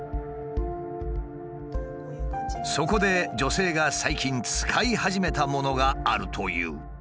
そこで女性が最近使い始めたものがあるという。